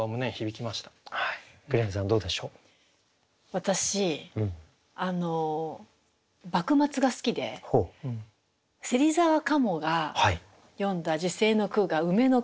私幕末が好きで芹沢鴨が詠んだ辞世の句が「梅」の句なんですよ。